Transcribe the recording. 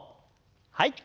はい。